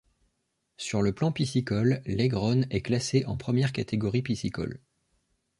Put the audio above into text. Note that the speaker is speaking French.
Sur le plan piscicole, l'Aigronne est classée en première catégorie piscicole.